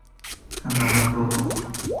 کندهار پر لور وخوځېدی.